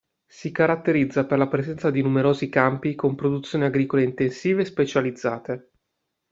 Si caratterizza per la presenza di numerosi campi con produzioni agricole intensive e specializzate.